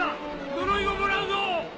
呪いをもらうぞ！